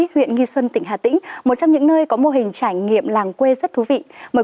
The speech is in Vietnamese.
huyện nghi xuân tỉnh hà tĩnh một trong những nơi có mô hình trải nghiệm làng quê rất thú vị